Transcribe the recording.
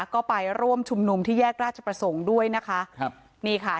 ก็ไปร่วมชุมนุมที่แยกราชประสงค์ด้วยนะคะครับนี่ค่ะ